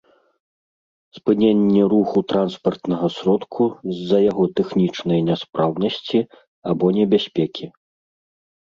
спыненне руху транспартнага сродку з-за яго тэхнічнай няспраўнасці або небяспекі